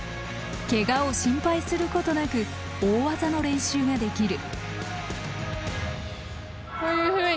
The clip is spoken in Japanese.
ケガを心配することなく大技の練習ができる。